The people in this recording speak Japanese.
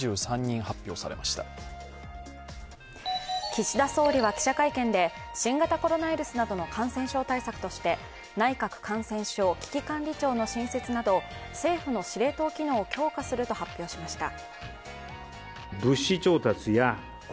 岸田総理は記者会見で新型コロナウイルスなどの感染症対策として内閣感染症危機管理庁の新設など政府の司令塔機能を強化すると発表しました。